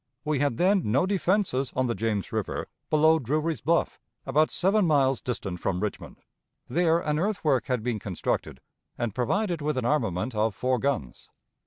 We had then no defenses on the James River below Drury's Bluff, about seven miles distant from Richmond. There an earthwork had been constructed and provided with an armament of four guns.